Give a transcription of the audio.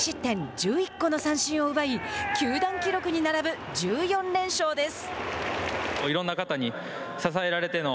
１１個の三振を奪い球団記録に並ぶ１４連勝です。